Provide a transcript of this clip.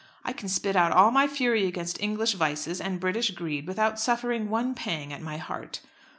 I can spit out all my fury against English vices and British greed without suffering one pang at my heart.